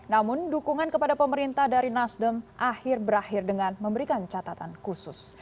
namun dukungan kepada pemerintah dari nasdem akhir berakhir dengan memberikan catatan khusus